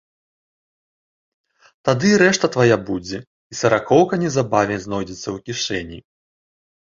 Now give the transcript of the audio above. Тады і рэшта твая будзе і саракоўка неўзабаве знойдзецца ў кішэні.